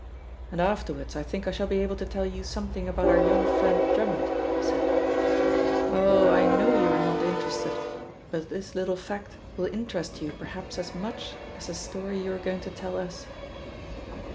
"And afterwards I think I shall be able to tell you something about our young friend Drummond," he said. "Oh, I know you're not interested, but this little fact will interest you perhaps as much as the story you are going to tell us."